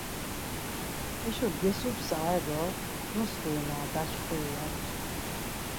Haşo gesupsa e do nuskurina daçxuri, ya utzu.